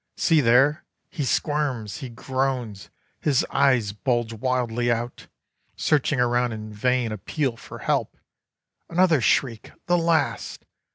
See there! He squirms! He groans! His eyes bulge wildly out, Searching around in vain appeal for help! Another shriek, the last!